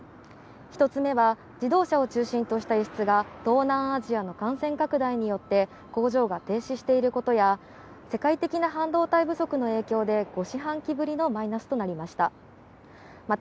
１つ目は、自動車を中心とした輸出が東南アジアの感染拡大によって工場が停止していることや世界的な半導体不足の影響で５期半ぶりのマイナスとなりました。